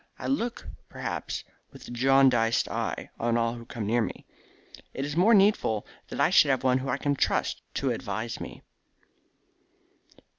I look, perhaps, with a jaundiced eye on all who come near me. It is the more needful that I should have one whom I can trust to advise me."